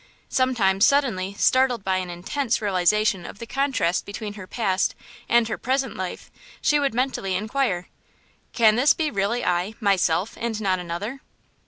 Sometimes, suddenly startled by an intense realization of the contrast between her past and her present life, she would mentally inquire: "Can this be really I, myself, and not another?